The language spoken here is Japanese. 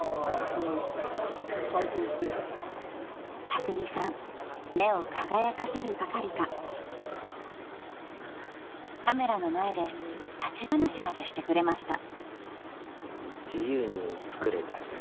［たくみさん目を輝かせるばかりかカメラの前で立ち話までしてくれました］